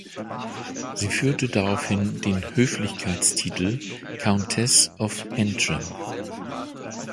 Sie führte daraufhin den Höflichkeitstitel "Countess of Antrim".